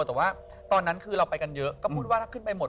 แต่ว่าตอนนั้นคือเราไปกันเยอะก็พูดว่าถ้าขึ้นไปหมด